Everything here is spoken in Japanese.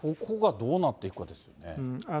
ここがどうなっていくかですよね。